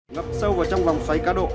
ngập sâu vào trong vòng xoáy cá độ